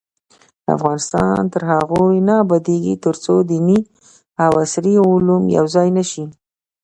افغانستان تر هغو نه ابادیږي، ترڅو دیني او عصري علوم یو ځای نشي.